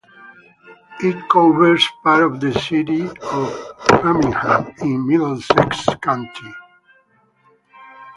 It covers part of the city of Framingham in Middlesex County.